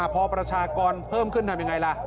พอประชากรเพิ่มขึ้นทำอย่างไรล่ะ